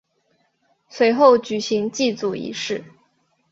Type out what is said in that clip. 随后举行祭祖仪式。